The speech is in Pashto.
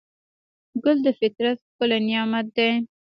ګل د فطرت ښکلی نعمت دی.